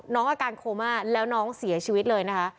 น้องอาการโคม่าแล้วน้องเสียชีวิตเลยนะคะ